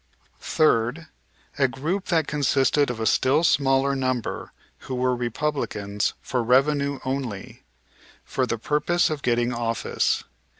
Third, a group that consisted of a still smaller number who were Republicans for revenue only, for the purpose of getting office.